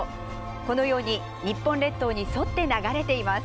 このように日本列島に沿って流れています。